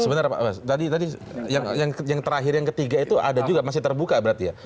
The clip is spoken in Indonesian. sebentar pak mas tadi tadi yang terakhir yang ketiga itu ada juga masih terbuka berarti ya